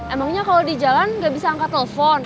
emangnya kalau di jalan gak bisa angkat telepon